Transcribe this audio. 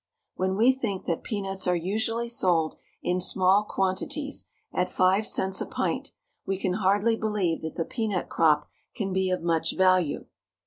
When we think that peanuts are usually sold in small quantities, at five Cents a pint, we can hardly believe that the peanut crop can be of much value.